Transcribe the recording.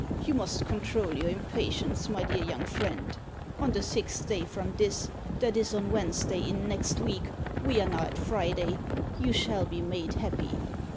"You must control your impatience, my dear young friend. On the sixth day from this that is, on Wednesday in next week we are now at Friday you shall be made happy."